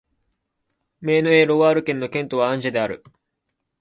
メーヌ＝エ＝ロワール県の県都はアンジェである